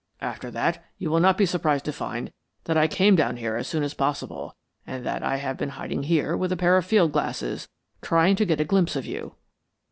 After that, you will not be surprised to find that I came down here as soon as possible, and that I have been hiding here with a pair of field glasses trying to get a glimpse of you."